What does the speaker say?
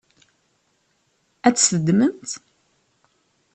Ad tt-teddmemt?